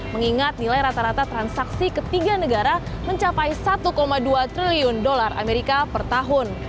mengingat nilai rata rata transaksi ketiga negara mencapai satu dua triliun dolar amerika per tahun